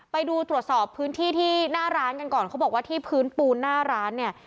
ไปดูตรวจสอบพื้นที่ที่หน้าร้านกันก่อนเขาบอกว่าที่พื้นปูนหน้าร้านเนี่ย